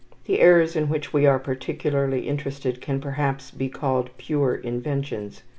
The errors in which we are particularly interested can perhaps best be called pure inventions.